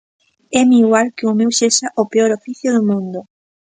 Éme igual que o meu sexa o peor oficio do mundo.